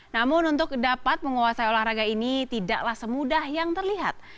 namun untuk dapat menguasai olahraga ini tidaklah semudah yang terlihat